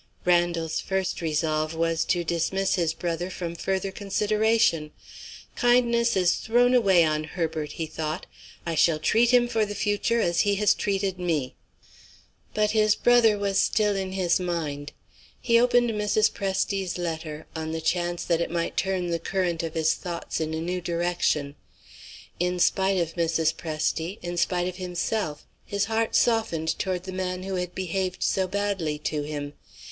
Randal's first resolve was to dismiss his brother from further consideration. "Kindness is thrown away on Herbert," he thought; "I shall treat him for the future as he has treated me." But his brother was still in his mind. He opened Mrs. Presty's letter on the chance that it might turn the current of his thoughts in a new direction. In spite of Mrs. Presty, in spite of himself, his heart softened toward the man who had behaved so badly to him.